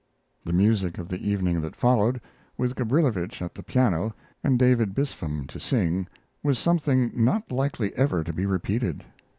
The music of the evening that followed, with Gabrilowitsch at the piano and David Bispham to sing, was something not likely ever to be repeated.